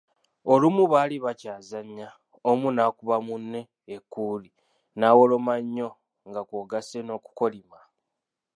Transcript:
Olumu baali bakyazannya omu naakuba munne ekkuuli nawoloma nnyo nga kwogasse n’okukolima.